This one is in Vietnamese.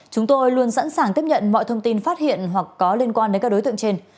chúng tôi luôn sẵn sàng tiếp nhận mọi thông tin phát hiện hoặc có liên quan đến các đối tượng trên